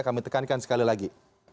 kami tekankan sekali lagi